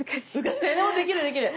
でもできるできる。